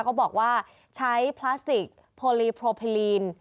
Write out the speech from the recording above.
เขาบอกว่าใช้พลาสติกโพลีโพเพลีน